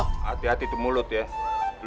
hati hati di mulut ya